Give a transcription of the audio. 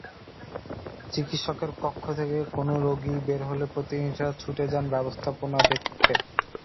চিকিৎসকের কক্ষ থেকে কোনো রোগী বের হলে প্রতিনিধিরা ছুটে যান ব্যবস্থাপত্র দেখতে।